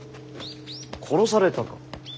殺されたか。